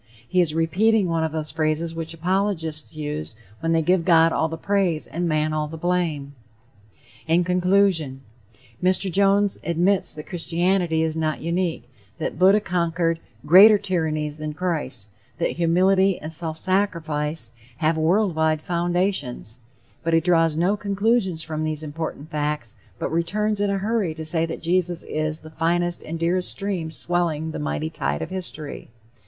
He is repeating one of those phrases which apologists use when they give God all the praise and man all the blame. In conclusion: Mr. Jones admits that Christianity is not unique, that Buddha conquered greater tyrannies than Christ; that "humility and self sacrifice...have world wide foundations;" but he draws no conclusions from these important facts, but returns in a hurry to say that Jesus is the "finest and dearest stream swelling the mighty tide of history."